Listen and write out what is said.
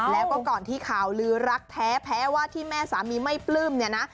แล้วก็ก่อนที่ข่าวลือรักแท้ว่าที่แม่สามีไม่ปลื้มเนี่ยนะ